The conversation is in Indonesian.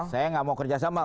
saya gak mau kerjasama